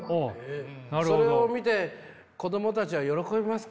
それを見て子どもたちは喜びますか？